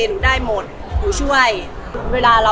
คงเป็นแบบเรื่องปกติที่แบบ